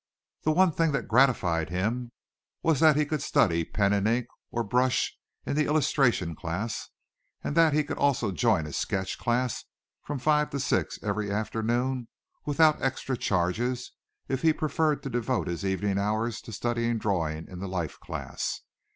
The one thing that gratified him was that he could study pen and ink or brush in the illustration class, and that he could also join a sketch class from five to six every afternoon without extra charges if he preferred to devote his evening hours to studying drawing in the life class.